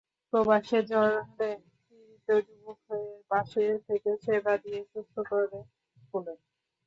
প্রবাসে জ্বরে পীড়িত যুবকের পাশে থেকে সেবা দিয়ে সুস্থ করে তোলে।